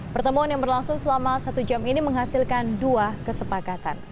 pertemuan yang berlangsung selama satu jam ini menghasilkan dua kesepakatan